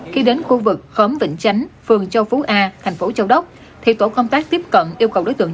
khi đến khu vực khóm vĩnh chánh phường châu phú a thành phố châu đốc thì tổ công tác tiếp cận yêu cầu đối tượng